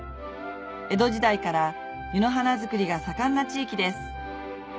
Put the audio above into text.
江戸時代から湯の花作りが盛んな地域です